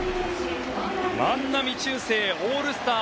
万波中正オールスター